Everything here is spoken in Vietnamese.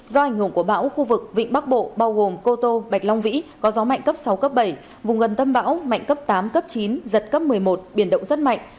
do ảnh hưởng của bão khu vực vịnh bắc bộ bao gồm cô tô bạch long vĩ có gió mạnh cấp sáu cấp bảy vùng gần tâm bão mạnh cấp tám cấp chín giật cấp một mươi một biển động rất mạnh